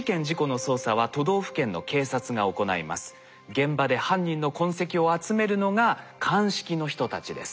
現場で犯人の痕跡を集めるのが鑑識の人たちです。